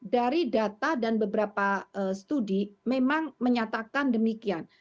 dari data dan beberapa studi memang menyatakan demikian